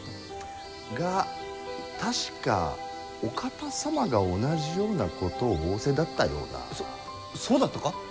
が、確かお方様が同じようなことを仰せだったような？そ、そうだったか？